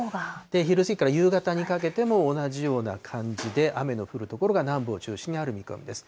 昼過ぎから夕方にかけても、同じような感じで、雨の降る所が南部を中心にある見込みです。